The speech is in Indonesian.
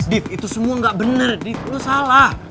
div itu semua gak bener div lo salah